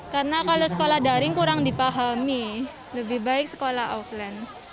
karena kalau sekolah daring kurang dipahami lebih baik sekolah offline